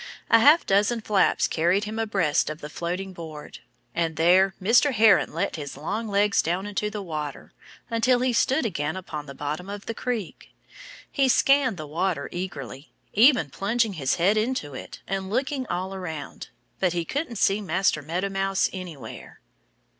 A half dozen flaps carried him abreast of the floating board. And there Mr. Heron let his long legs down into the water until he stood again upon the bottom of the creek. He scanned the water eagerly, even plunging his head into it and looking all around. But he couldn't see Master Meadow Mouse anywhere.